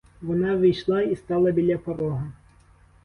Вона ввійшла і стала біля порога.